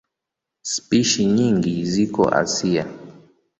Spishi nyingi ziko Asia.